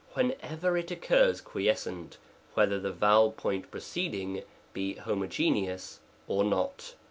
11 whenever it occurs quiescent, whether the vowel point preceding be homogeneous or not.